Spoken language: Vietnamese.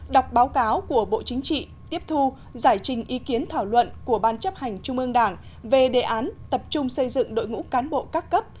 đọc báo cáo của bộ chính trị tiếp thu giải trình ý kiến thảo luận của ban chấp hành trung ương đảng về đề án tập trung xây dựng đội ngũ cán bộ các cấp